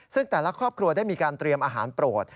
ซึ่งแต่ละครอบครัวได้มีการเตรียมอาหารโปรด